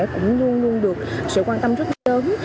cũng luôn luôn được sự quan tâm rất lớn